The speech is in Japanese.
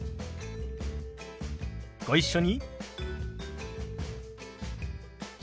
ご一緒に。